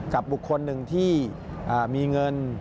กับบุคคลหนึ่งที่มีเงิน